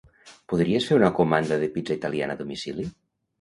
Podries fer una comanda de pizza italiana a domicili?